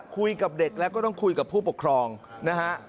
คุยกับเด็กแล้วก็ต้องคุยกับผู้ปกครองนะฮะ